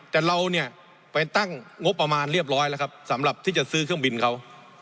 แต่เราเนี่ยไปตั้งงบประมาณเรียบร้อยแล้วครับสำหรับที่จะซื้อเครื่องบินเขา